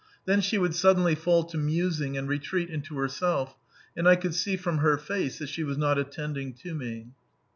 Then she would suddenly fall to musing and retreat into herself, and I could see from her face that she was not attending to me.